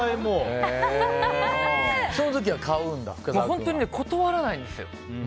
本当に断らないんですよ。